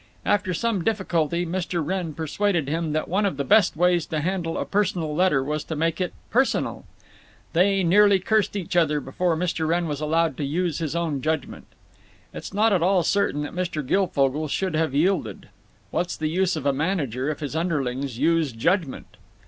After some difficulty Mr. Wrenn persuaded him that one of the best ways to handle a personal letter was to make it personal. They nearly cursed each other before Mr. Wrenn was allowed to use his own judgment. It's not at all certain that Mr. Guilfogle should have yielded. What's the use of a manager if his underlings use judgment?